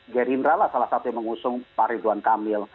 gerindra lah salah satu yang mengusung pak ridwan kamil